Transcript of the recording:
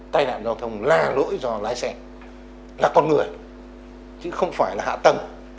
tai nạn giao thông là lỗi do lái xe là con người chứ không phải là hạ tầng